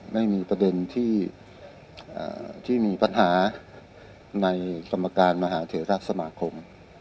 ไม่มีประเด็นที่มีปัญหาในกรรมการมหาเทราสมาคม